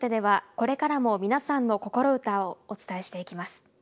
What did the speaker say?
これからも皆さんの「こころウタ」をお伝えしていきます。